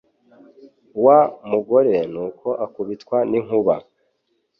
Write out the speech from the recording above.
Wa mugore nuko akubitwa n'inkuba